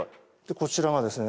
こちらがですね